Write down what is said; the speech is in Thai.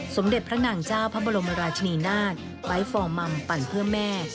สมเด็จพระนางเจ้าพระบรมราชนีนาฏไปฟอร์มัมปั่นเพื่อแม่